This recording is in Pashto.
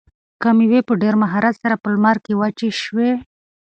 دا مېوې په ډېر مهارت سره په لمر کې وچې شوي.